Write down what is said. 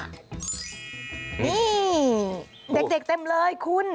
นี่เด็กเต็มเลยคุณ